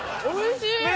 おいしい。